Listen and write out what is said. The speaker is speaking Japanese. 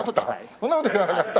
そんな事言わなかった。